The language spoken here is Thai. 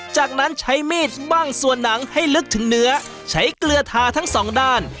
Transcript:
จากนั้นใช้มีดบ้างส่วนหนังให้ลึกถึงเนื้อใช้เกลือทาทั้งสองด้าน